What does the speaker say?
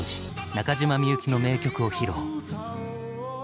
中島みゆきの名曲を披露。